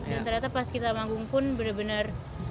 dan ternyata pas kita magung pun bener bener